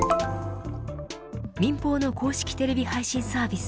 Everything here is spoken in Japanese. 民法の公式テレビ配信サービス